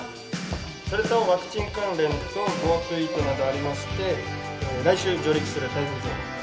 ・それとワクチン関連とＧｏＴｏＥａｔなどありましてえぇ来週上陸する台風情報です。